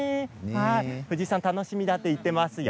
藤井さん楽しみだと言ってますよ。